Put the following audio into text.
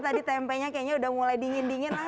tapi tempenya kayaknya udah mulai dingin dingin